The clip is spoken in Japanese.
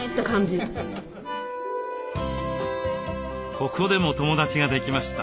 ここでも友だちができました。